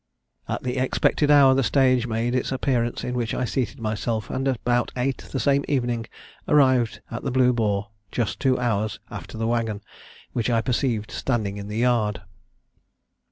At the expected hour the stage made its appearance, in which I seated myself, and about eight the same evening arrived at the Blue Boar, just two hours after the waggon, which I perceived standing in the yard."